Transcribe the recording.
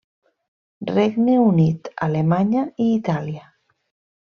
Regne Unit, Alemanya i Itàlia.